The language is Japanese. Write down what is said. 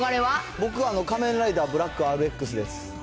僕は仮面ライダーブラックアベックスです。